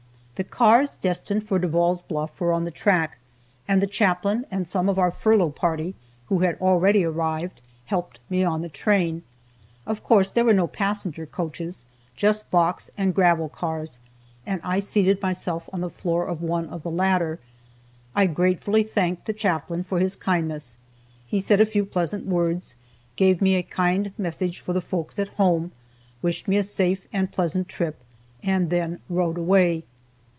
The cars destined for Devall's Bluff were on the track, and the Chaplain, and some of our furlough party who had already arrived, helped me on the train. Of course there were no passenger coaches, just box and gravel cars, and I seated myself on the floor of one of the latter. I gratefully thanked the Chaplain for his kindness, he said a few pleasant words, gave me a kind message for the folks at home, wished me a safe and pleasant trip, and then rode away.